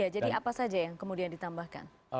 jadi apa saja yang kemudian ditambahkan